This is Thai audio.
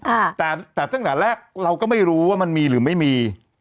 อ่าแต่แต่ตั้งแต่แรกเราก็ไม่รู้ว่ามันมีหรือไม่มี